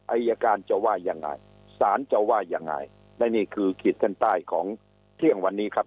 อายการจะว่ายังไงสารจะว่ายังไงและนี่คือขีดเส้นใต้ของเที่ยงวันนี้ครับ